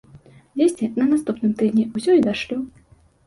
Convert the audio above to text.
Дзесьці на наступным тыдні ўсё і дашлю.